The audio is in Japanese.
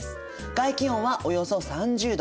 外気温はおよそ３０℃。